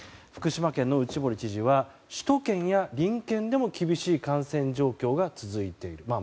福島県の内堀知事は首都圏や隣県でも厳しい感染状況が続いている。